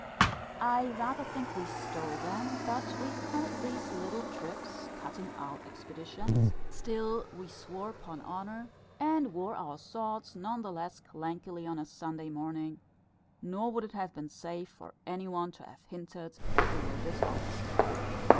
I rather think we stole them; but we called these little trips, "cutting out expeditions;" still we swore "'pon honour," and wore our swords none the less clankingly on a Sunday morning; nor would it have been safe for any one to have hinted that we were dishonest.